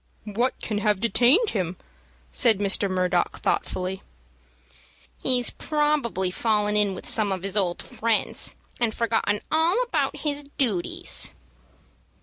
"What can have detained him?" said Mr. Murdock, thoughtfully. "He's probably fallen in with some of his old friends, and forgotten all about his duties."